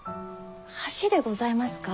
橋でございますか！